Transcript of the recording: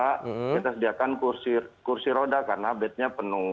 kita sediakan kursi roda karena bednya penuh